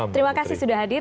terima kasih sudah hadir